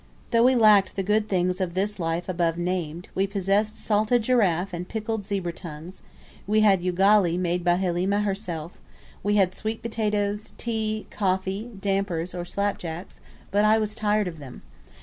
Though we lacked the good things of this life above named, we possessed salted giraffe and pickled zebra tongues; we had ugali made by Halimah herself; we had sweet potatoes, tea, coffee, dampers, or slap jacks; but I was tired of them.